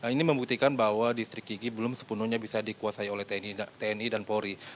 ini membuktikan bahwa distrik ygi belum sepenuhnya bisa dikuasai oleh tni dan polri